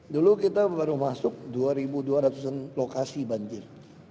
dulu kita baru masuk dua dua ratus an lokasi banjir